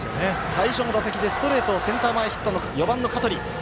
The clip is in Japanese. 最初の打席でストレートをセンター前ヒットの４番の香取。